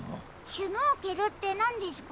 シュノーケルってなんですか？